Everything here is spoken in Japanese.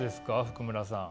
福村さん。